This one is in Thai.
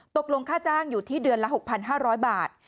ตกลงค่าจ้างอยู่ที่เดือนละ๖๕๐๐บาท